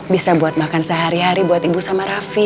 bisa buat makan sehari hari buat ibu sama raffi